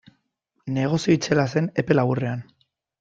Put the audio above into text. Negozio itzela zen epe laburrean.